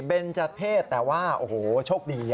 เบนเจอร์เพศแต่ว่าโอ้โฮโชคดี